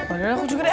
udah aku juga deh